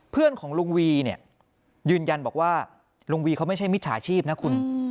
เพื่อนของลุงวีเนี่ยยืนยันบอกว่าลุงวีเขาไม่ใช่มิจฉาชีพนะคุณ